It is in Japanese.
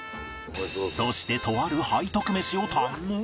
そしてとある背徳メシを堪能